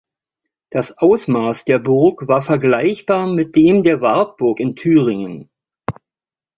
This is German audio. Das Ausmaß der Burg war vergleichbar mit dem der Wartburg in Thüringen.